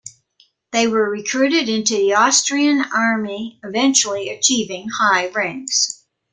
They were recruited into the Austrian army, eventually achieving high ranks.